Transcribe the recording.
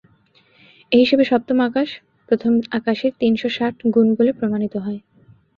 এ হিসেবে সপ্তম আকাশ প্রথম আকাশের তিনশ ষাট গুণ বলে প্রমাণিত হয়।